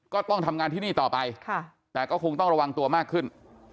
ก็ต้องทำงานที่นี่ต่อไปแต่ก็คงต้องระวังตัวมากขึ้น